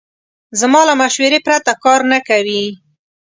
زما له مشورې پرته کار نه کوي.